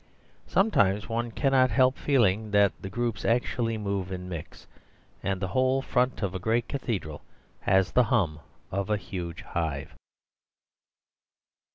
Sometimes one cannot help feeling that the groups actually move and mix, and the whole front of a great cathedral has the hum of a huge hive.